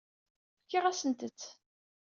Fkiɣ-asent-t.